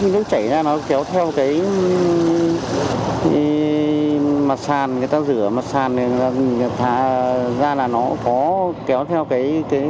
nước chảy ra nó kéo theo cái mặt sàn người ta rửa mặt sàn ra là nó có kéo theo cái